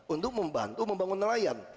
untuk membantu membangun nelayan